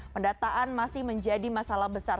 pendataan masih menjadi masalah besar